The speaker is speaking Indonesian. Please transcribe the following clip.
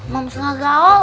mama suka gaul